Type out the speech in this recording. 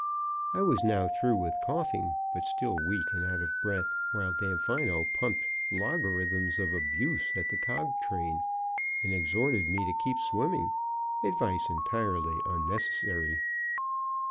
I was now through with coughing, but still weak and out of breath, while Damfino pumped logarithms of abuse at the cog train and exhorted me to keep swimming advice entirely unnecessary.